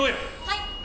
はい！